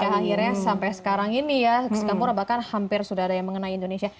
dan ini keakhirnya sampai sekarang ini ya sekampur bahkan hampir sudah ada yang mengenai indonesia